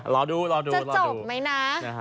รอดูรอดูรอจบไหมนะ